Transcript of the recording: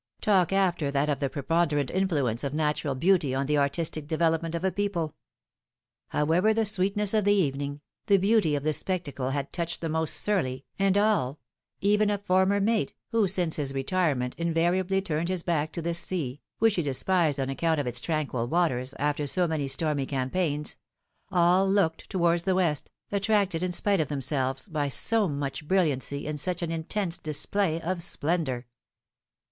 Talk after that of the preponderant influence of natural beauty on the artistic development of a people ! However the sweet ness of the evening, the beauty of the spectacle had touched the most surly, and all — even a former mate, who, since his retirement, invariably turned his back to this sea, which he despised on account of its tranquil waters, after so many stormy campaigns — all looked towards the west, attracted in spite of themselves, by so much brilliancy and such an intense display of splendor.